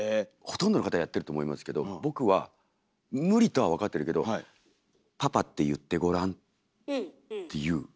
ほとんどの方やってると思いますけど僕は無理とは分かってるけど「パパって言ってごらん」っていう。